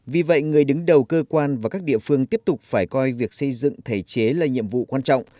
vì vậy người đứng đầu cơ quan và các địa phương tiếp tục phải coi việc xây dựng thể chế là nhiệm vụ quan trọng